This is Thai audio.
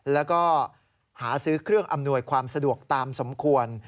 แล้วก็หาซื้อเครื่องอำนวยความสะดวกตามสมควร